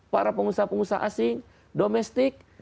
para pengusaha pengusaha asing domestik